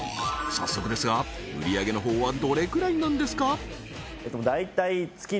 早速ですが売上げのほうはどれくらいなんですか？